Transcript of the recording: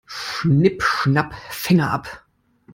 Schnipp-schnapp, Finger ab.